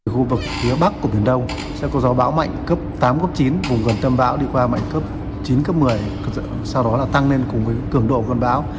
khu vực phía bắc của biển đông sẽ có gió bão mạnh cấp tám cấp chín vùng gần tâm bão đi qua mạnh cấp chín cấp một mươi sau đó tăng lên cùng với cường độ cơn bão